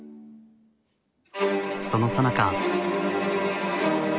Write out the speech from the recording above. そのさなか。